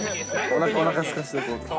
おなかすかせて。